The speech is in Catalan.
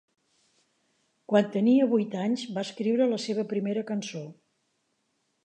Quan tenia vuit anys va escriure la seva primera cançó.